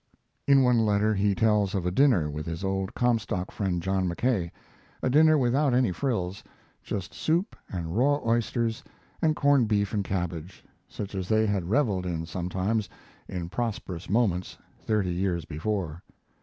] In one letter he tells of a dinner with his old Comstock friend, John Mackay a dinner without any frills, just soup and raw oysters and corned beef and cabbage, such as they had reveled in sometimes, in prosperous moments, thirty years before.